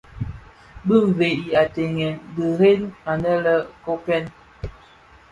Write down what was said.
Bi veg i ateghèn diren aně le Koppen,